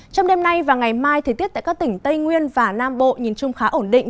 trong đêm nay và ngày mai thời tiết tại các tỉnh tây nguyên và nam bộ nhìn chung khá ổn định